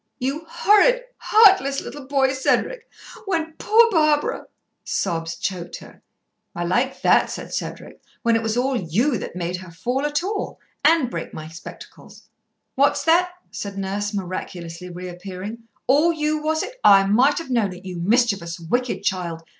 "You horrid, heartless little boy, Cedric! When poor Barbara " Sobs choked her. "I like that!" said Cedric. "When it was all you that made her fall at all and break my spectacles." "What's that?" said Nurse, miraculously reappearing. "All you, was it? I might have known it, you mischievous wicked child.